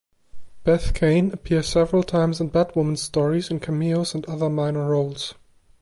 Beth Kane appears several times in Batwoman stories in cameos and other minor roles.